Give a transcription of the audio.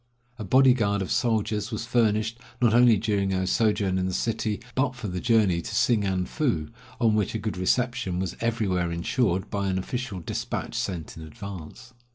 A body guard of soldiers was furnished, not only during our sojourn in the city, but for the journey to Singan foo, on which a good reception was everywhere insured by an official despatch sent in advance.